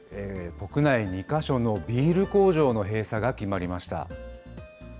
国内２か所のビール工場の閉鎖が決まりました。